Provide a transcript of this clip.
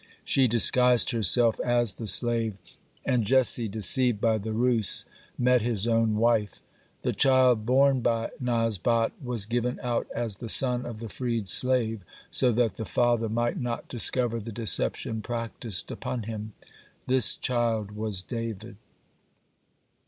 She disguised herself as the slave, and Jesse, deceived by the ruse, met his own wife. The child borne by Nazbat was given out as the son of the freed slave, so that the father might not discover the deception practiced upon him. This child was David.